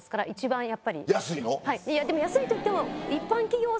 でも安いといっても。